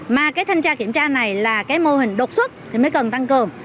mà thanh tra kiểm tra này là mô hình đột xuất mới cần tăng cường